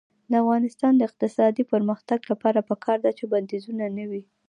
د افغانستان د اقتصادي پرمختګ لپاره پکار ده چې بندیزونه نه وي.